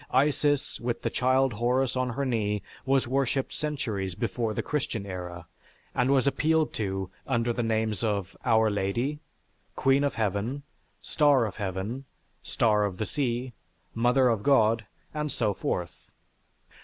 Isis, with the child Horus on her knee, was worshiped centuries before the Christian era, and was appealed to under the names of "Our Lady," "Queen of Heaven," "Star of Heaven," "Star of the Sea," "Mother of God," and so forth.